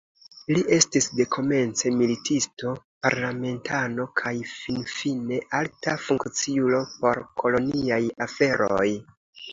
Li estis dekomence militisto, parlamentano kaj finfine alta funkciulo por koloniaj aferoj.